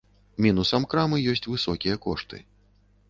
Мінусам крамы ёсць высокія кошты.